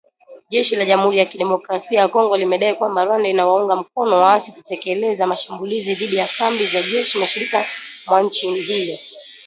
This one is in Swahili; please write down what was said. Jeshi la Jamuhuri ya kidemokrasia ya Kongo limedai kwamba Rwanda inawaunga mkono waasi kutekeleza mashambulizi dhidi ya kambi za jeshi mashariki mwa nchi hiyo